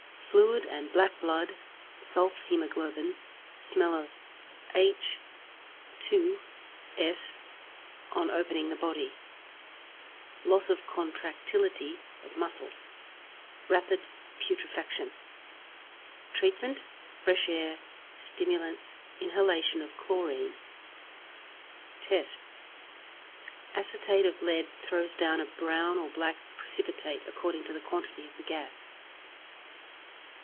_ Fluid and black blood (sulph hæmoglobin), smell of H_S on opening the body; loss of contractility of muscles, rapid putrefaction. Treatment. Fresh air, stimulants, inhalation of chlorine. Tests. Acetate of lead throws down a brown or black precipitate according to the quantity of the gas.